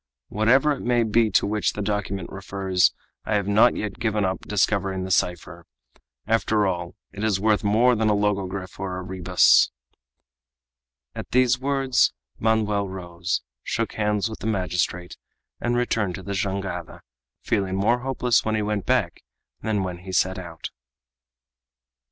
Whatever it may be to which the document refers, I have not yet given up discovering the cipher. After all, it is worth more than a logogryph or a rebus!" At these words Manoel rose, shook hands with the magistrate, and returned to the jangada, feeling more hopeless when he went back than when he set out.